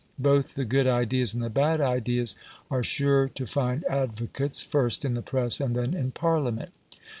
Both the good ideas and the bad ideas are sure to find advocates first in the press and then in Parliament.